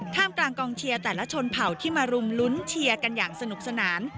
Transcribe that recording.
กลางกองเชียร์แต่ละชนเผ่าที่มารุมลุ้นเชียร์กันอย่างสนุกสนาน